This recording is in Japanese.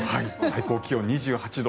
最高気温２８度。